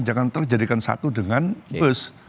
jangan truk jadikan satu dengan bus